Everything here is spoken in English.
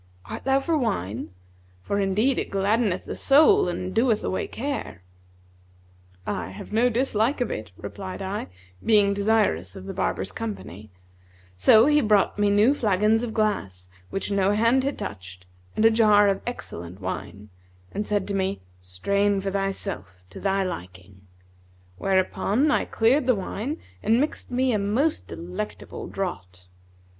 Art thou for wine?; for indeed it gladdeneth the soul and doeth away care.' 'I have no dislike to it,' replied I, being desirous of the barber's company; so he brought me new flagons of glass which no hand had touched and a jar of excellent wine, and said to me, 'Strain for thyself, to thy liking;' whereupon I cleared the wine and mixed me a most delectable draught.